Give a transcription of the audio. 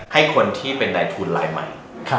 ให้คนที่เป็นนายทุนรายใหม่